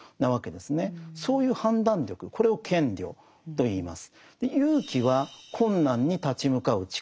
そういう判断力これを賢慮といいます。